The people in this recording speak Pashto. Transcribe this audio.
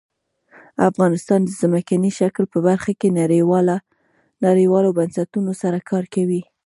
افغانستان د ځمکنی شکل په برخه کې نړیوالو بنسټونو سره کار کوي.